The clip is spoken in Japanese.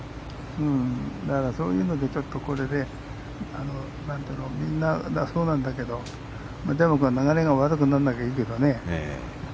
そういうのでみんなそうなんだけどでも、流れが悪くならなきゃいいけどね。